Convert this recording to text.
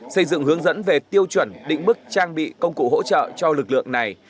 xây dựng hướng dẫn về tiêu chuẩn định mức trang bị công cụ hỗ trợ cho lực lượng này